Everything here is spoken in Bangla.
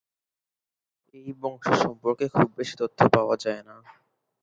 এই বংশ সম্পর্কে খুব বেশি তথ্য পাওয়া যায়না।